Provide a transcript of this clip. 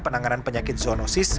penanganan penyakit zoonosis